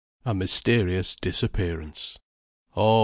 A MYSTERIOUS DISAPPEARANCE. Oh!